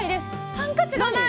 ハンカチがない。